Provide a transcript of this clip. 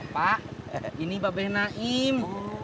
pak ini babes naim